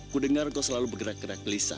ku dengar kau selalu bergerak gerak gelisah